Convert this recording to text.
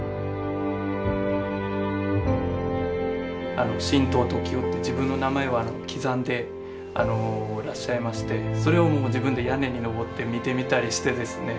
あの「シントウトキヲ」って自分の名前を刻んでらっしゃいましてそれをもう自分で屋根に登って見てみたりしてですね。